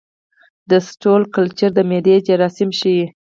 د سټول کلچر د معدې جراثیم ښيي.